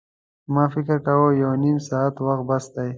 ما فکر کاوه یو نیم ساعت وخت بس دی.